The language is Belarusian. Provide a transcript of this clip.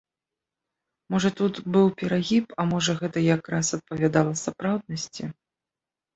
Можа тут быў перагіб, а мо гэта якраз адпавядала сапраўднасці.